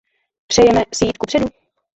Přejeme si jít kupředu?